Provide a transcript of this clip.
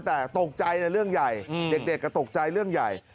แต่ตกใจนะเรื่องใหญ่เด็กก็ตกใจเรื่องใหญ่